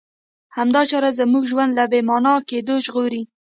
همدا چاره زموږ ژوند له بې مانا کېدو ژغوري.